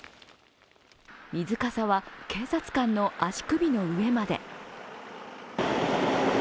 水かさは警察官の足首の上まで。